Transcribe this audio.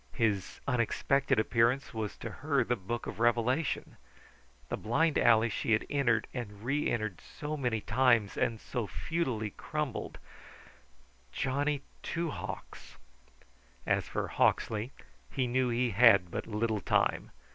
His unexpected appearance was to her the Book of Revelation. The blind alley she had entered and reentered so many times and so futilely crumbled.... Johnny Two Hawks! As for Hawksley, he knew he had but little time.